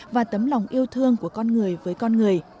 và tấm lòng yêu thương của con người với con người